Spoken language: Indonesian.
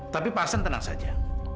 tapi pak arslan tenang saja